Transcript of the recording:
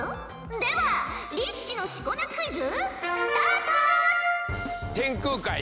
では力士のしこ名クイズスタート！